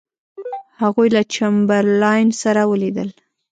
هغوی له چمبرلاین سره ولیدل.